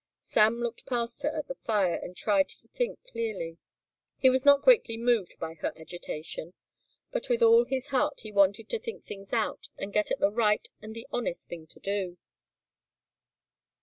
Sam looked past her at the fire and tried to think clearly. He was not greatly moved by her agitation, but with all his heart he wanted to think things out and get at the right and the honest thing to do.